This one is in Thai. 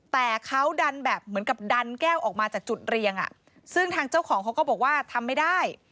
แต่เขาดันแบบเหมือนกับดันแก้วออกมาจากจุดเรียงอ่ะซึ่งทางเจ้าของเขาก็บอกว่าทำไม่ได้